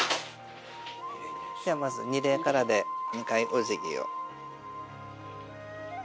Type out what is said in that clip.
ではまず二礼からで２回おじぎを。